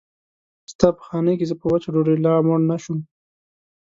ستا په خانۍ کې زه په وچه ډوډۍ لا موړ نه شوم.